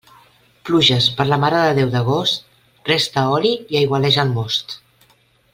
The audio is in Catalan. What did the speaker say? Pluges per la Mare de Déu d'agost, resta oli i aigualeix el most.